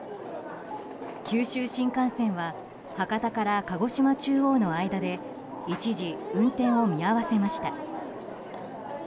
九州新幹線は博多から鹿児島中央の間で一時、運転を見合わせました。